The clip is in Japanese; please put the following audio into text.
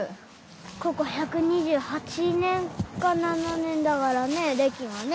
ここ１２８年か７年だからね歴がね。